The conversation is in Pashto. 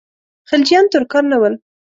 خلجیان ترکان نه ول.